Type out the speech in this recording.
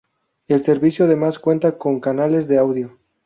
El servicio además cuenta con canales de audio.